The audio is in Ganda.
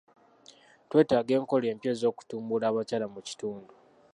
Twetaaga enkola empya ez'okutumbula abakyala mu kitundu.